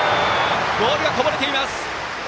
ボールがこぼれています。